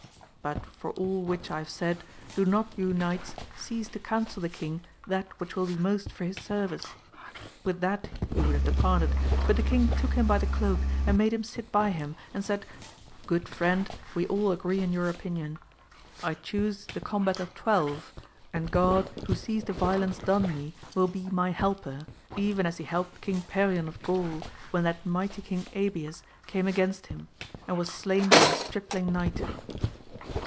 But for all which I have said do not you knights cease to counsel the king that which will be most for his service ! with that he would have departed but the king took him by the cloak and made him sit by him, and said. Good friend, we aQ agree in your opinion. I chuse the combat of twelve, and God who sees the violence done me will be my helper, even as he helped King Perion of Gaul when that mighty King Abies came against him, and was slain by a stripling knight.